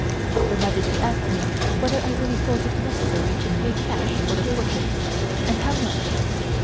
Her Majesty asked me whether I really thought it necessary to pay cash for the portrait and how much.